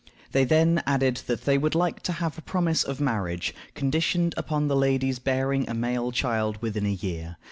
They then added that they would like to have a promise of marriage, conditioned upon the lady's bearing a male child within a year.